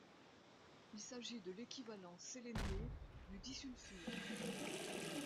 Il s'agit de l'équivalent sélénié du disulfure.